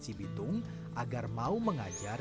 cibitung agar mau mengajar